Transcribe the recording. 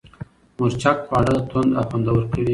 مرچک خواړه توند او خوندور کوي.